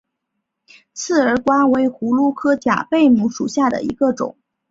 刺儿瓜为葫芦科假贝母属下的一个种。